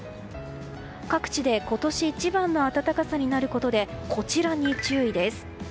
各地で今年一番の暖かさになることでこちらに注意です。